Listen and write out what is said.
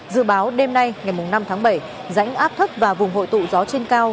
dự báo đêm nay ngày năm tháng bảy rãnh áp thấp và vùng hội tụ gió trên cao